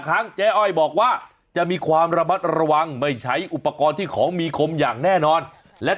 ครั้งเจ๊อ้อยบอกว่าจะมีความระมัดระวังไม่ใช้อุปกรณ์ที่ของมีคมอย่างแน่นอนและ